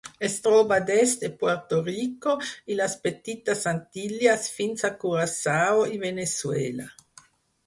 Es troba des de Puerto Rico i les Petites Antilles fins a Curaçao i Veneçuela.